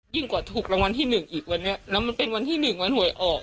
กว่าถูกรางวัลที่หนึ่งอีกวันนี้แล้วมันเป็นวันที่หนึ่งวันหวยออก